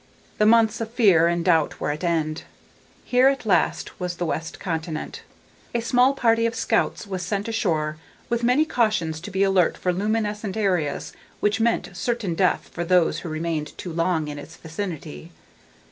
The months of fear and doubt were at end. Here, at last, was the west continent. A small party of scouts was sent ashore with many cautions to be alert for luminescent areas which meant certain death for those who remained too long in its vicinity.